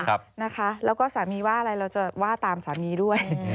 แล้วก็สามีว่าอะไรเราจะว่าตามสามีด้วย